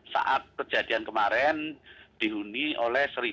saat kejadian kemarin dihuni oleh seribu tujuh ratus lima puluh empat